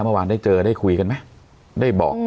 เมื่อวานได้เจอได้คุยกันไหมได้บอก